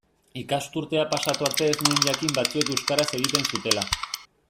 Ikasturtea pasatu arte ez nuen jakin batzuek euskaraz egiten zutela.